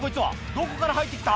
どこから入って来た？」